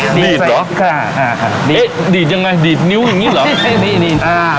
ดีดดีดหรอดีดยังไงดีดนิ้วอย่างงี้เหรอ